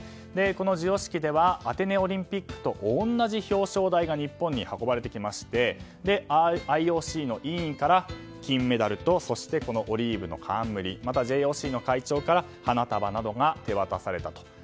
この授与式ではアテネオリンピックと同じ表彰台が日本に運ばれてきましてＩＯＣの委員から金メダルと、そしてオリーブの冠またＪＯＣの会長から花束などが手渡されたと。